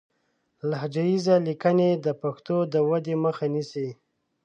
لهجه ييزې ليکنې د پښتو د ودې مخه نيسي